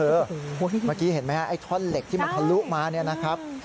เมื่อกี้เห็นไหมฮะไอ้ท่อนเหล็กที่มันทะลุมาเนี่ยนะครับ